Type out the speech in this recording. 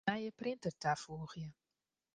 Nije printer tafoegje.